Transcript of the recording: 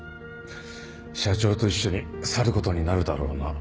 社長と一緒に去ることになるだろうな。